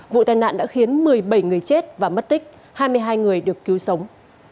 vụ tai nạn đã khiến một mươi bảy người chết và mất tích hai mươi hai người được cứu sống